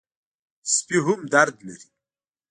سپي هم درد لري.